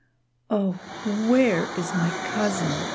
"Oh, where is my cousin?"